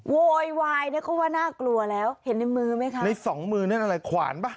โวยวายเนี่ยเขาว่าน่ากลัวแล้วเห็นในมือไหมคะในสองมือนั่นอะไรขวานป่ะ